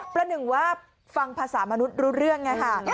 ประหนึ่งว่าฟังภาษามนุษย์รู้เรื่องไงค่ะ